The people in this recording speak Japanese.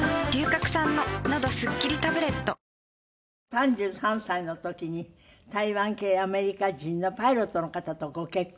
３３歳の時に台湾系アメリカ人のパイロットの方とご結婚。